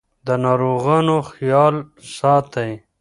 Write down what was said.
د ناروغانو خیال ساتئ.